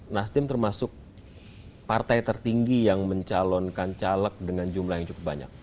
nasdem termasuk partai tertinggi yang mencalonkan caleg dengan jumlah yang cukup banyak